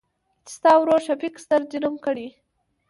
چې ستا ورورشفيق ستر جرم کړى.